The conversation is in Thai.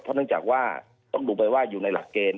เพราะตั้งจากว่าต้องรู้ไปว่าอยู่ในหลักเกณฑ์